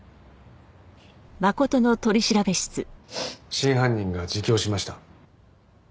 真犯人が自供しました。